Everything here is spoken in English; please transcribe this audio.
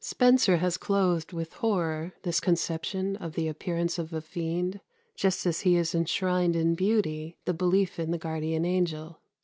Spenser has clothed with horror this conception of the appearance of a fiend, just as he has enshrined in beauty the belief in the guardian angel.